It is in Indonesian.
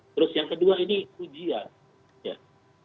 terus yang kedua ini ujian